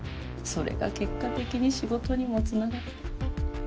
それが結果的に仕事にもつながって。